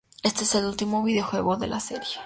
Este es el último videojuego de la serie.